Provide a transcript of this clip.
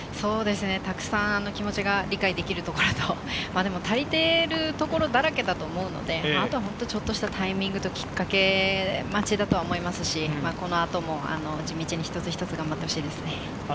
たくさん気持ちが理解できるところと、足りている所だらけだと思うので、あとはちょっとしたタイミングときっかけ待ちだと思いますし、この後も地道に一つ一つ頑張ってほしいですね。